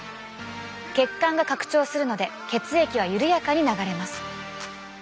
血管が拡張するので血液は緩やかに流れます。